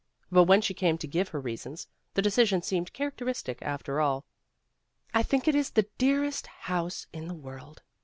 But when she came to give her reasons, the decision seemed characteristic, after all. ' l l think this is the dearest house in the world.